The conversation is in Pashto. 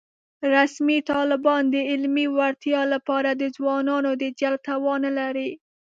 رسمي طالبان د علمي وړتیا له پاره د ځوانانو د جلب توان نه لري